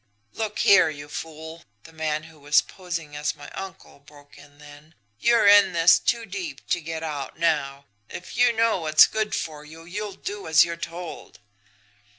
"'Look here, you fool!' the man who was posing as my uncle broke in then. 'You're in this too deep to get out now. If you know what's good for you, you'll do as you're told!'